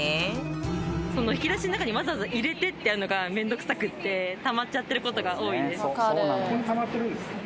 引き出しの中にわざわざ入れてってやるのが面倒くさくてたまっちゃってる事が多いです。